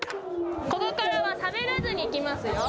ここからはしゃべらずに行きますよ。